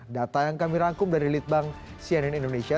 data yang kami rangkum dari litbang cnn indonesia